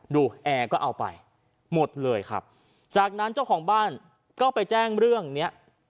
แอร์ก็เอาไปหมดเลยครับจากนั้นเจ้าของบ้านก็ไปแจ้งเรื่องเนี้ย